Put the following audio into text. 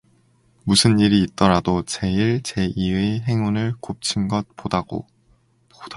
무슨 일이 있더라도 제일 제이의 행운을 곱친 것 보다고